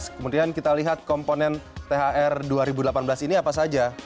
kemudian kita lihat komponen thr dua ribu delapan belas ini apa saja